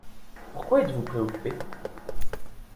Pourquoi êtes-vous préoccupé ?